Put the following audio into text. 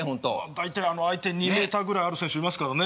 大体相手２メーターぐらいある選手いますからね。